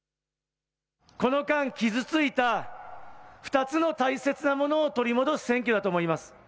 この間、傷ついた２つの大切なものを取り戻す選挙だと思います。